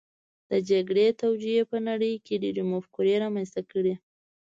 د جګړې توجیې په نړۍ کې ډېرې مفکورې رامنځته کړې